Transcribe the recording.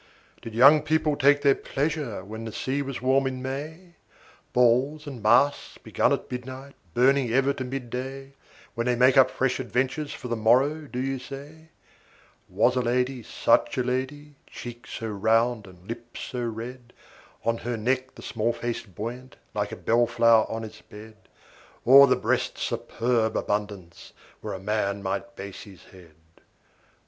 Did young people take their pleasure when the sea was warm in May? 10 Balls and masks begun at midnight, burning ever to mid day, When they make up fresh adventures for the morrow, do you say? Was a lady such a lady, cheeks so round and lips so red, On her neck the small face buoyant, like a bell flower on its bed, O'er the breast's superb abundance where a man might base his head?